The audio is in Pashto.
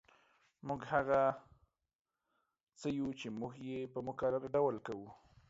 موږ هغه څه یو چې موږ یې په مکرر ډول کوو